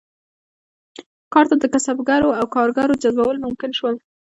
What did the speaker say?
کار ته د کسبګرو او کارګرو جذبول ممکن شول.